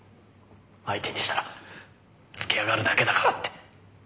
相手にしたらつけ上がるだけだからって。